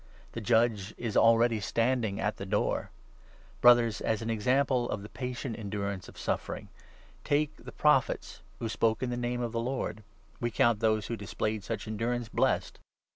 The Judge is already standing at the door ! Brothers, as an 10 example of the patient endurance of suffering, take the Prophets who spoke in the name of the Lord. We count those 1 1 who displayed such endurance blessed